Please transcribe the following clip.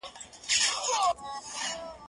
زه به ليکنه کړې وي،